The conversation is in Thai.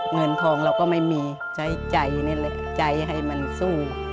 เงินทองเราก็ไม่มีใช้ใจนี่แหละใจให้มันสู้